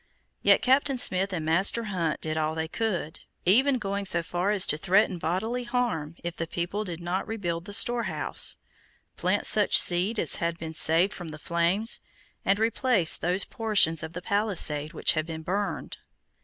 Yet Captain Smith and Master Hunt did all they could, even going so far as to threaten bodily harm if the people did not rebuild the storehouse, plant such seed as had been saved from the flames, and replace those portions of the palisade which had been burned.